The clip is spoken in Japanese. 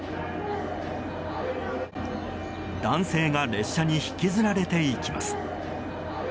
男性が列車に引きずられていきます。